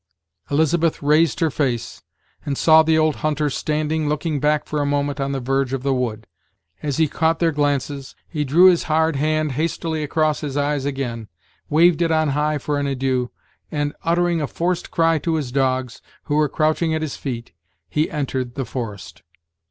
Elizabeth raised her face, and saw the old hunter standing looking back for a moment, on the verge of the wood. As he caught their glances, he drew his hard hand hastily across his eyes again, waved it on high for an adieu, and, uttering a forced cry to his dogs, who were crouching at his feet, he entered the forest.